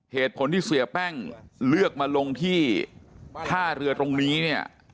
เหตุผลที่เสียแป้งเลือกมาลงที่ท่าเรือตรงนี้เนี่ย